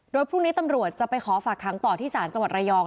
โดยพรุ่งนี้ตำรวจจะไปขอฝากค้างต่อที่ศาลจังหวัดระยอง